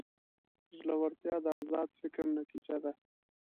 زړورتیا د ازاد فکر نتیجه ده.